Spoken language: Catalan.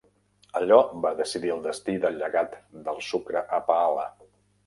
Allò va decidir el destí del llegat del sucre a Pahala.